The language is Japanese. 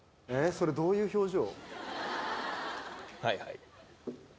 それどういう表情？